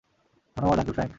ধন্যবাদ, uncle Frank.